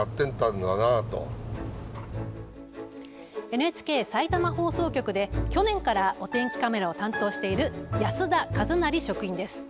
ＮＨＫさいたま放送局で去年からお天気カメラを担当している安田一成職員です。